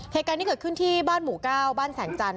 เหตุการณ์ที่เกิดขึ้นที่บ้านหมู่๙บ้านแสงจันท